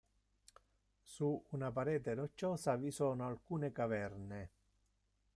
Su una parete rocciosa vi sono alcune caverne.